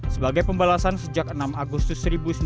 sebagai pembalasan sejak enam agustus seribu sembilan ratus empat puluh